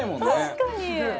確かに！